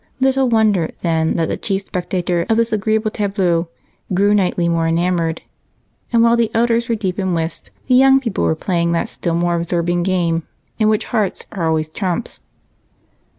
Little wonder, then, that the chief spectator of this agreeable tableau grew nightly more enamored, and while the elders were deep in whist, the young people were playing that still more absorbing game in which hearts are always trumps.